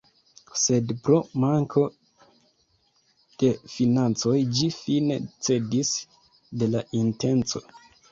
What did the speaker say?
Sed pro manko de financoj ĝi fine cedis de la intenco.